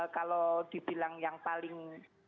kalau dibilang yang paling